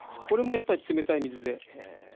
これもやっぱり冷たい水で。